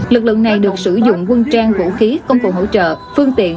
lực lượng này được sử dụng quân trang vũ khí công cụ hỗ trợ phương tiện